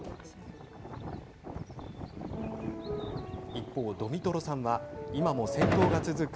一方、ドミトロさんは今も戦闘が続く